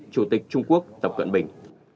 chủ tịch trung quốc tập cận bình